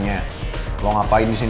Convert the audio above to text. dan balik lagi normal setelah naomi pergi